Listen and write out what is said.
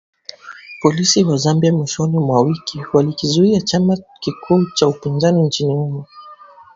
Polisi wa Zimbabwe mwishoni mwa wiki walikizuia chama kikuu cha upinzani nchini humo